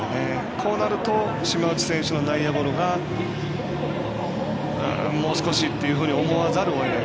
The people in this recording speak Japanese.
こうなると島内選手の内野ゴロがもう少しっていうふうに思わざるをえない。